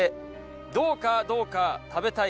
どうかどうか食べたい。